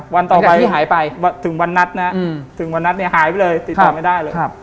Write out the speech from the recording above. วันต่อไปที่หายไปถึงวันนัดนะถึงวันนัดเนี่ยหายไปเลยติดต่อไม่ได้เลย